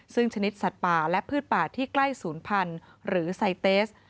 ซึ่งชนิดสัตว์ป่าและพืชป่าที่ใกล้ศูนย์พันธุ์หรือไซเตส